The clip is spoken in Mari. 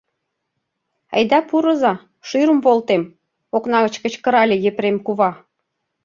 — Айда пурыза, шӱрым волтем! — окна гыч кычкырале Епрем кува.